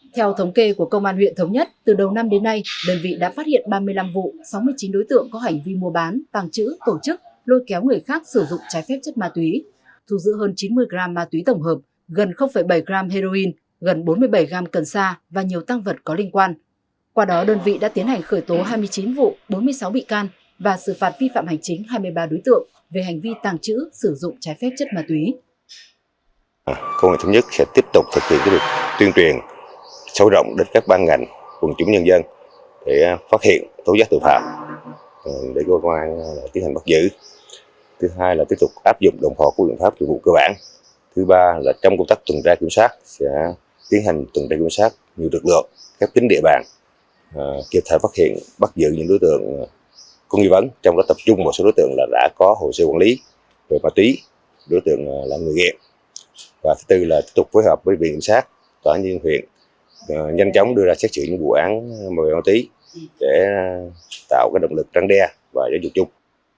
thứ tư là tiếp tục phối hợp với viện kiểm soát tòa án nhân viên huyện nhanh chóng đưa ra xét trị những vụ án màu tí để tạo động lực trắng đe và giúp dụng